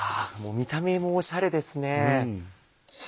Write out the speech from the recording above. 見た目もおしゃれですね。